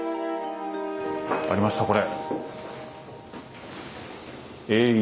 ありましたこれ。